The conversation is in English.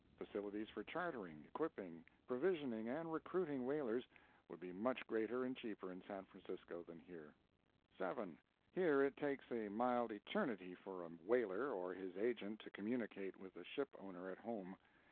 Facilities for chartering, equipping, provisioning and recruiting whalers would be much greater and cheaper in San Francisco than here. 7. Here it takes a mild eternity for a whaler or his agent to communicate with the ship owner at home.